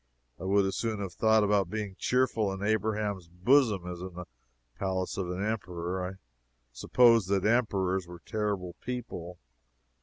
I would as soon have thought of being cheerful in Abraham's bosom as in the palace of an Emperor. I supposed that Emperors were terrible people.